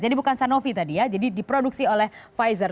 jadi bukan sanofi tadi ya jadi diproduksi oleh pfizer